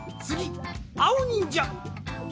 つぎあおにんじゃ！